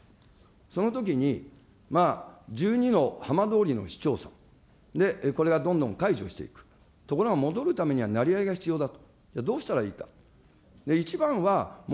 そのときに、まあ１２の浜通りのさん、これがどんどん解除していく、ところが戻るためにはなりわいが必要だと。